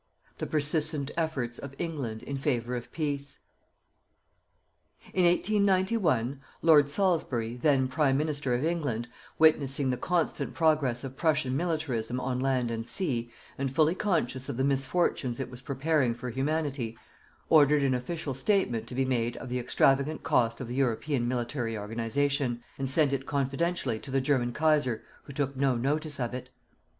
THE PERSISTENT EFFORTS OF ENGLAND IN FAVOUR OF PEACE. In 1891, Lord Salisbury, then Prime Minister of England, witnessing the constant progress of Prussian militarism on land and sea, and fully conscious of the misfortunes it was preparing for Humanity, ordered an official statement to be made of the extravagant cost of the European military organization, and sent it confidentially to the German Kaiser, who took no notice of it.